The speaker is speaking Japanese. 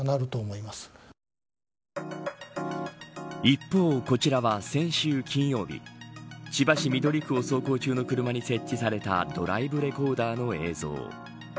一方、こちらは先週金曜日千葉市緑区を走行中の車に設置されたドライブレコーダーの映像。